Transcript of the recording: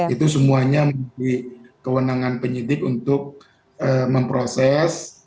itu semuanya memiliki kewenangan penyidik untuk memproses